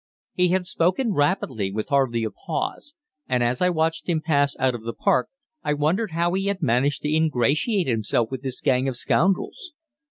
He had spoken rapidly, with hardly a pause, and as I watched him pass out of the park I wondered how he had managed to ingratiate himself with this gang of scoundrels.